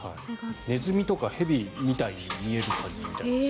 ネズミとかヘビみたいに見える感じみたいです